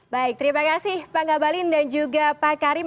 baik terima kasih bang abalin dan juga pak karim